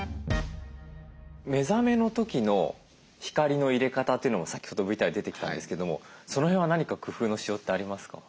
目覚めの時の光の入れ方というのも先ほどＶＴＲに出てきたんですけどもその辺は何か工夫のしようってありますか？